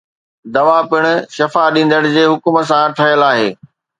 دوا پڻ شفا ڏيندڙ جي حڪم سان ٺهيل آهي